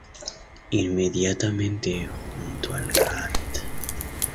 Inmediatamente, junto al Card.